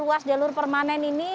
ruas jalur permanen ini